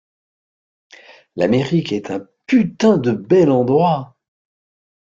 L'Amérique est une putain de bel endroit.